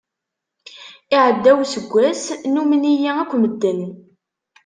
Iɛedda useggas nummen-iyi akk medden.